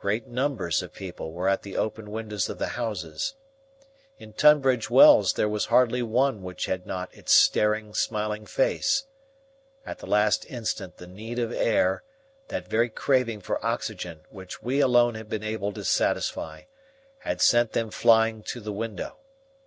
Great numbers of people were at the open windows of the houses. In Tunbridge Wells there was hardly one which had not its staring, smiling face. At the last instant the need of air, that very craving for oxygen which we alone had been able to satisfy, had sent them flying to the window.